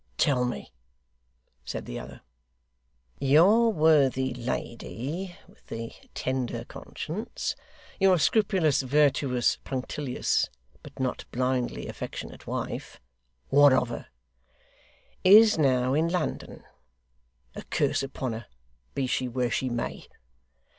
'Tell me,' said the other. 'Your worthy lady with the tender conscience; your scrupulous, virtuous, punctilious, but not blindly affectionate wife ' 'What of her?' 'Is now in London.' 'A curse upon her, be she where she may!